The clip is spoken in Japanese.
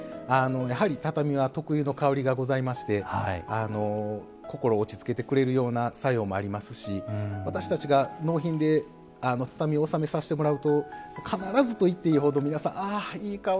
やはり畳は特有の香りがございまして心落ち着けてくれるような作用もありますし私たちが納品で畳を納めさせてもらうと必ずといっていいほど皆さん「ああいい香りがする。